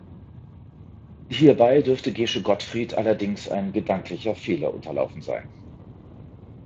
Hierbei dürfte Gesche Gottfried allerdings ein gedanklicher Fehler unterlaufen sein.